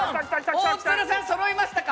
大鶴さん揃いましたか？